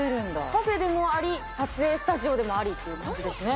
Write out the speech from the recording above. カフェでもあり、撮影スタジオでもありっていう感じですね。